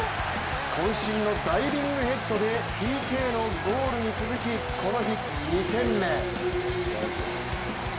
こん身のダイビングヘッドでＰＫのゴールに続きこの日、２点目。